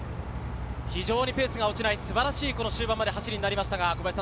非常にペースが落ちない素晴らしい終盤までの走りとなりました。